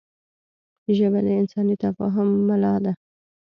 ژبه د انساني تفاهم ملا ده